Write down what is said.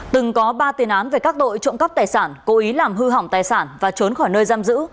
từng có ba tiền án về các tội trộm cắp tài sản cố ý làm hư hỏng tài sản và trốn khỏi nơi giam giữ